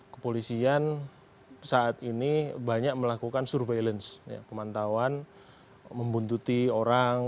kepolisian saat ini banyak melakukan surveillance pemantauan membuntuti orang